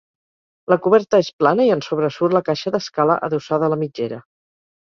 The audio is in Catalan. La coberta és plana i en sobresurt la caixa d'escala adossada a la mitgera.